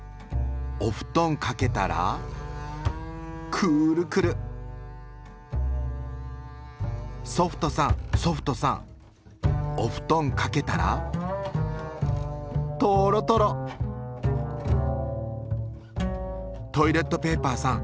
おふとんかけたらくーるくるソフトさんソフトさんおふとんかけたらとろとろトイレットペーパーさん